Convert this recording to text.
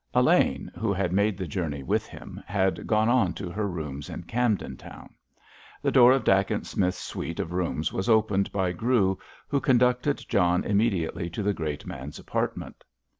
Elaine, who had made the journey with him, had gone on to her rooms in Camden Town. The door of Dacent Smith's suite of rooms was opened by Grew, who conducted John immediately to the great man's apartment.